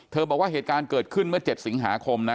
บอกว่าเหตุการณ์เกิดขึ้นเมื่อ๗สิงหาคมนะ